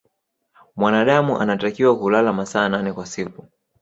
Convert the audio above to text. mwanadamu anatakiwa kulala masaa nane kwa siku